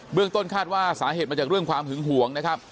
เรื่องต้นคาดว่าสาเหตุมาจากเรื่องความหึงห่วงนะครับ